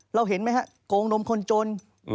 เราเห็นไหมครับโกงนมคนจน